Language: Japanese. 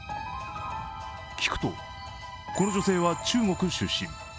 聞くと、この女性は中国出身。